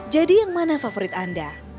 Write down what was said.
jadi yang mana favorit anda